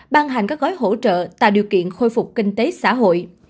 ban hành các gói hỗ trợ tạo điều kiện khôi phục kinh tế xã hội